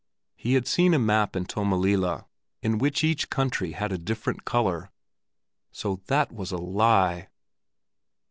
He had seen a map in Tommelilla, in which each country had a different color. So that was a lie!